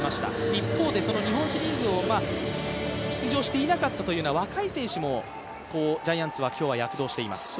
一方で日本シリーズを出場していなかったという若い選手もジャイアンツは今日は躍動しています。